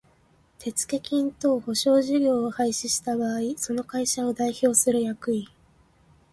手付金等保証事業を廃止した場合その会社を代表する役員